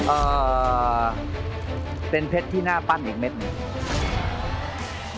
เอ่อเป็นเพชรที่หน้าปั้นอีกเม็ดหนึ่ง